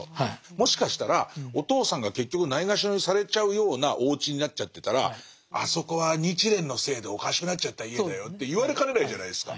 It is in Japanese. もしかしたらお父さんが結局ないがしろにされちゃうようなおうちになっちゃってたらあそこは日蓮のせいでおかしくなっちゃった家だよって言われかねないじゃないですか。